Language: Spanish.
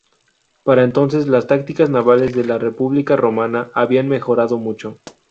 Para entonces, las tácticas navales de la República romana habían mejorado mucho.